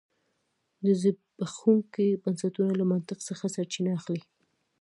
د زبېښونکو بنسټونو له منطق څخه سرچینه اخلي.